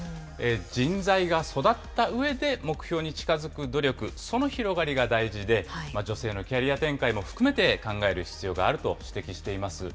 人材が育ったうえで、目標に近づく努力、その広がりが大事で、女性のキャリア展開も含めて考える必要があると指摘しています。